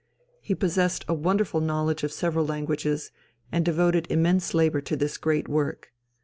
He possessed a wonderful knowledge of several languages, and devoted immense labour to his great work.